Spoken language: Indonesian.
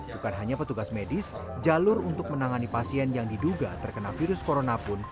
bukan hanya petugas medis jalur untuk menangani pasien yang diduga terkena virus corona pun